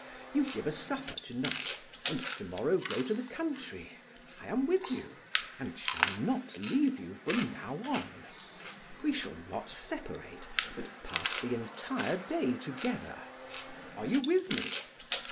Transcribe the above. You give a supper to night, and to morrow go to the country; I am with you, and shall not leave you from now on. We shall not separate, but pass the entire day together. Are you with me?